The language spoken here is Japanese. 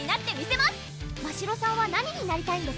ましろさんは何になりたいんです？